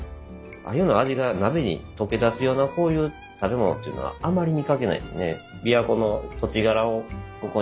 アユの味が鍋に溶けだすようなこういう食べ物っていうのはあまり見掛けないですね。